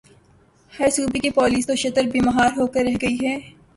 ہر صوبے کی پولیس تو شتر بے مہار ہو کے رہ گئی ہے۔